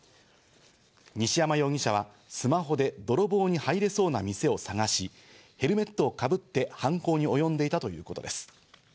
西山容疑者はスマホで泥棒に入れそうな店を探し、ヘルメットをかぶって犯行におよんでいたということです。